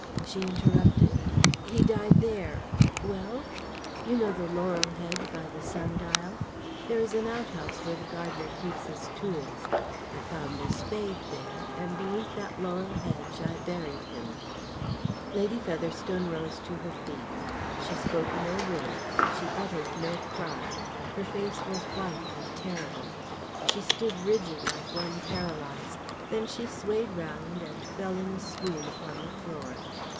she interrupted, "he died there. Well?" "You know the laurel hedge by the sun dial? There is an out house where the gardener keeps his tools. I found a spade there, and beneath that laurel hedge I buried him." Lady Featherstone rose to her feet. She spoke no word; she uttered no cry; her face was white and terrible. She stood rigid like one paralysed; then she swayed round and fell in a swoon upon the floor.